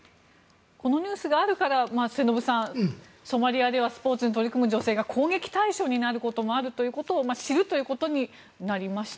このニュースがあるから末延さん、ソマリアではスポーツに取り組む女性が攻撃対象になるということを知るということになりました。